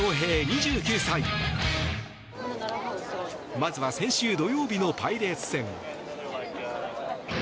まずは先週土曜日のパイレーツ戦。